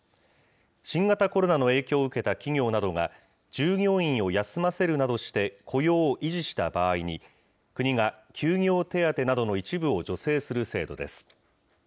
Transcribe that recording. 新型コロナの影響を受けた企業などが、従業員を休ませるなどして雇用を維持した場合に、国が休業手当などの一部を助成する制度です。